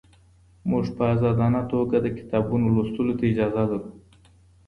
موږ په ازادانه توګه د کتابونو لوستلو ته اجازه لرو.